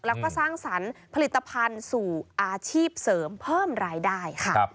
แล้วก็สร้างสรรค์ผลิตภัณฑ์สู่อาชีพเสริมเพิ่มรายได้ค่ะ